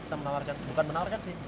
kita menawarkan bukan menawarkan sih